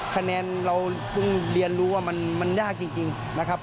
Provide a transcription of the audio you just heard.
คะแนนเราเพิ่งเรียนรู้ว่ามันยากจริงนะครับ